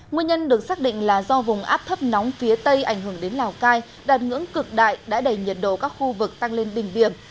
nguyên nhân được xác định là do vùng áp thấp nóng phía tây ảnh hưởng đến lào cai đạt ngưỡng cực đại đã đẩy nhiệt độ các khu vực tăng lên đỉnh điểm